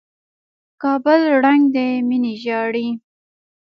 کابل ړنګ دى ميني ژاړي